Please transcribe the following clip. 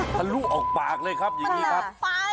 ทะลุออกปากเลยครับอย่างนี้ครับมันหลักไป